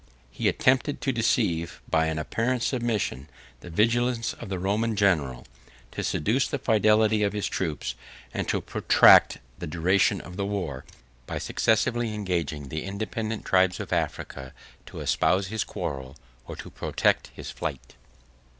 He attempted to deceive, by an apparent submission, the vigilance of the Roman general; to seduce the fidelity of his troops; and to protract the duration of the war, by successively engaging the independent tribes of Africa to espouse his quarrel, or to protect his flight.